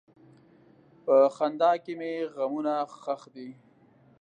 په خندا کې مې غمونه ښخ دي.